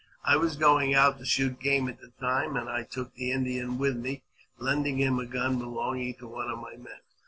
I was going out to shoot game at the time, and I took the Indian with me, lending him a gun belonging to one of my men.